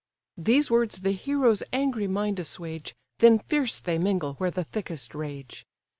These words the hero's angry mind assuage: Then fierce they mingle where the thickest rage.